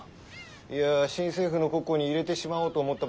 いや新政府の国庫に入れてしまおうと思うた